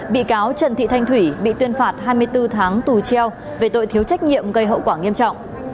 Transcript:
bị cáo trần thị thanh thủy bị tuyên phạt hai mươi bốn tháng tù treo về tội thiếu trách nhiệm gây hậu quả nghiêm trọng